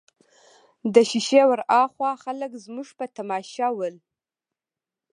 د شېشې ورهاخوا خلک زموږ په تماشه ول.